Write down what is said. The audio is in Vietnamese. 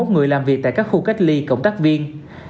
bảy trăm hai mươi một người làm việc tại các khu cách ly cộng tác viên